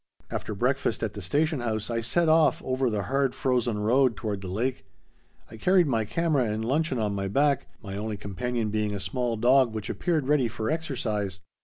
After breakfast at the station house, I set off over the hard frozen road toward the lake. I carried my camera and luncheon on my back, my only companion being a small dog which appeared ready for exercise.